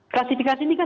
klasifikasi ini kan